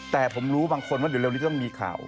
แต่ผมรู้บางคนว่าเดี๋ยวเร็วนี้จะต้องมีข่าว